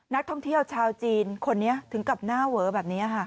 นักท่องเที่ยวชาวจีนคนนี้ถึงกับหน้าเวอแบบนี้ค่ะ